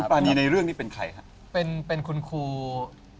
ครูปานีในเรื่องนี้เป็นใครฮะ